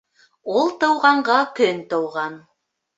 Ул тыуғанға көн тыуған.